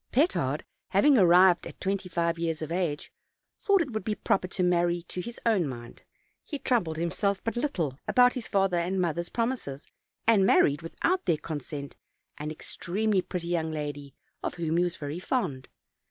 Petard having arrived at twenty five years of age, thought it would be proper to marry to his own mind; he troubled himself but little about his father and mother's promises, and married, without their consent, an extremely pretty young lady, of whom he was very THS KING AND HIS MINISTER. OLD, OLD FAIRY TALES. 243 fond.